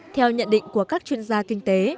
theo nhận định của các chuyên gia kinh tế